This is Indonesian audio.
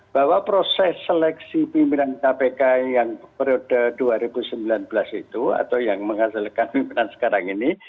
bahwa proses seleksi pimpinan kpk yang periode dua ribu sembilan belas itu atau yang menghasilkan pimpinan sekarang ini